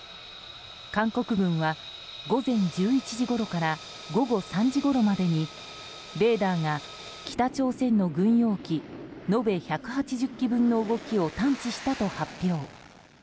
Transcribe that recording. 韓国軍は午前１１時ごろから午後３時ごろまでにレーダーが北朝鮮の軍用機延べ１８０機分の動きを探知したと発表。